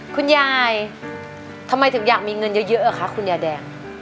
คุณยายทำไมถึงอยากมีเงินเยอะเหรอคะคุณยายแดง